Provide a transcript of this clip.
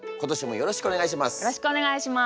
よろしくお願いします。